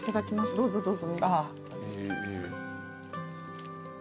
どうぞどうぞ。